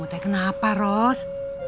kamu teh kenapa ros